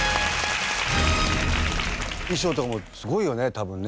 衣装とかもすごいよね多分ね。